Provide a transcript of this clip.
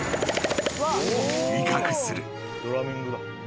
［威嚇する］